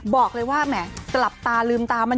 บอกเลยว่าแหมกลับตาลืมตามัน